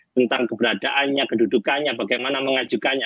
tentang keberadaannya kedudukannya bagaimana mengajukannya